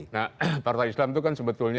nah partai islam itu kan sebetulnya